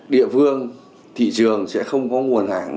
địa phương thị trường sẽ không có nguồn hàng